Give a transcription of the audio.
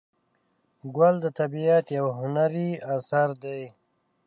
ګل د طبیعت یو هنري اثر دی.